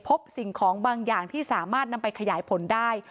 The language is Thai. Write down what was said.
พบสิ่งของบางอย่างที่สามารถนำไปขยายผลได้